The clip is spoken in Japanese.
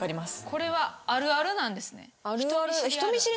これはあるあるなんですね。